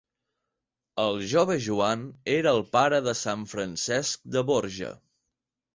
El jove Joan era el pare de sant Francesc de Borja.